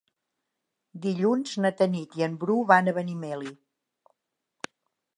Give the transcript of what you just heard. Dilluns na Tanit i en Bru van a Benimeli.